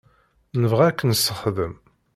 Nebɣa ad k-nessexdem.